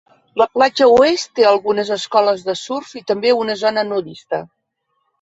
La platja oest té algunes escoles de surf i també una zona nudista.